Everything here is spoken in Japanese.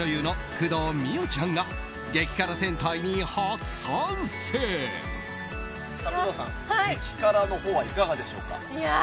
工藤さん、激辛のほうはいかがでしょうか。